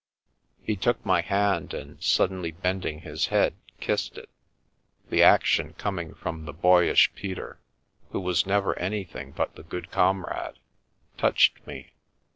He took my hand, and suddenly bending his head, kissed it. The action, coming from the boyish Peter, who was never anything but the good comrade, touched me.